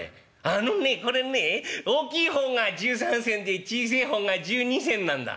「あのねこれねえ大きい方が１３銭で小せえ方が１２銭なんだ」。